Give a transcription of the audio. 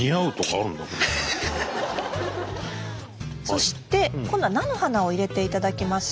そして今度は菜の花を入れていただきます。